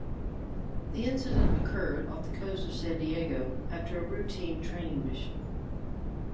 The incident occurred off the coast of San Diego after a routine training mission.